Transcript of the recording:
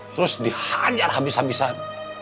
terus dihajar habis habisan